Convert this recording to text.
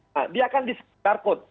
nah dia akan di scan barcode